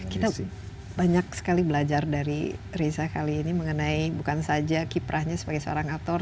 kita banyak sekali belajar dari reza kali ini mengenai bukan saja kiprahnya sebagai seorang aktor